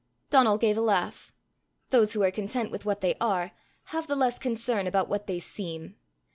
Donal gave a laugh. Those who are content with what they are, have the less concern about what they seem.